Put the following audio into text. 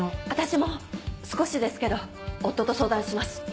私も少しですけど夫と相談します。